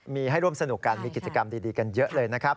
มีให้ร่วมสนุกกันมีกิจกรรมดีกันเยอะเลยนะครับ